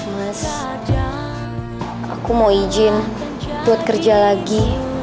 mas aku mau izin buat kerja lagi